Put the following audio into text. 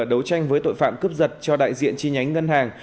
đấu tranh với tội phạm cướp giật cho đại diện chi nhánh ngân hàng